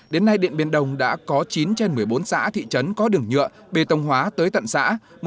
đến nay điện biên đông đã có chín trên một mươi bốn xã thị trấn có đường nhựa bê tông hóa tới tận xã